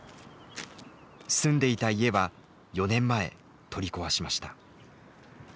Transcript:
住んでいた家は４年前取り壊しました。